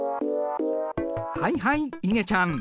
はいはいいげちゃん。